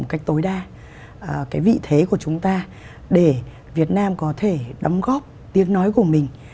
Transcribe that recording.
một cách tối đa cái vị thế của chúng ta để việt nam có thể đóng góp tiếng nói của mình